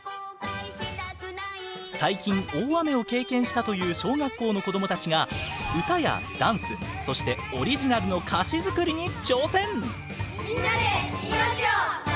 最近大雨を経験したという小学校の子どもたちが歌やダンスそしてオリジナルの歌詞作りに挑戦！